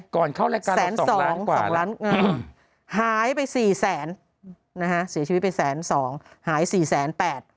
ก่อนเข้ารายการแสน๒หายไป๔แสนนะฮะเสียชีวิตไปแสน๒หาย๔แสน๘